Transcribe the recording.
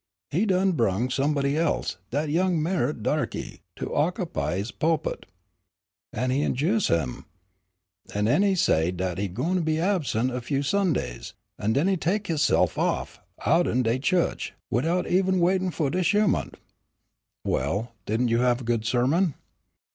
"He done brung somebody else, dat young Merrit darky, to oc'py his pu'pit. He in'juce him, an' 'en he say dat he gwine be absent a few Sundays, an' 'en he tek hissef off, outen de chu'ch, widout even waitin' fu' de sehmont." "Well, didn't you have a good sermon?"